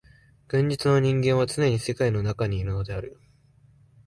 現実の人間はつねに世界の中にいるのである。